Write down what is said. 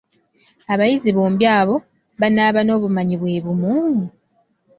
Abayizi bombi abo banaaba n’obumanyi bwe bumu?